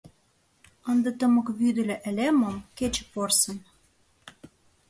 Ынде тымык вӱдыльӧ элемым, Кече порсын…